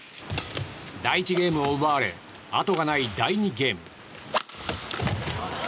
第１ゲームを奪われ後がない第２ゲーム。